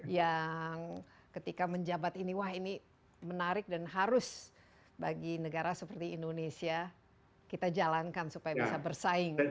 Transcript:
yang ketika menjabat ini wah ini menarik dan harus bagi negara seperti indonesia kita jalankan supaya bisa bersaing